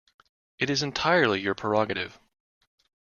It is entirely your prerogative.